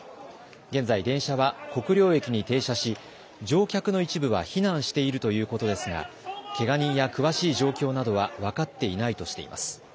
現在、電車は国領駅に停車し乗客の一部は避難しているということですがけが人や詳しい状況などは分かっていないとしています。